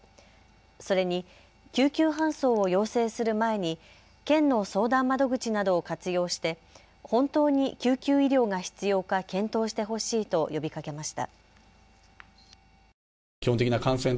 それに救急搬送を要請する前に県の相談窓口などを活用して本当に救急医療が必要か検討してほしいと呼びかけました。